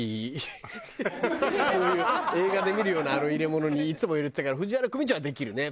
こういう映画で見るようなあの入れ物にいつも入れてたから藤原組長はできるね！